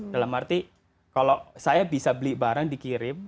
dalam arti kalau saya bisa beli barang dikirim